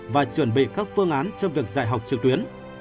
và chuẩn bị các phương án cho việc dạy học trực tuyến